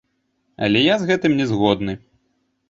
Але я з гэтым не згодны.